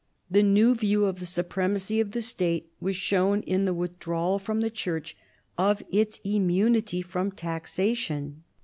The new view of the supremacy of the State was shown in the withdrawal from the Church of its immunity from taxation.